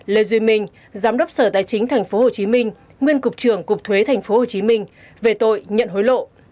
lê duy minh giám đốc sở tài chính tp hcm nguyên cục trưởng cục thuế tp hcm về tội nhận hối lộ